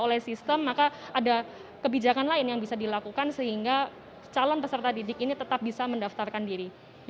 oleh sistem maka ada kebijakan lain yang bisa dilakukan sehingga calon peserta didik ini tetap bisa mendaftarkan diri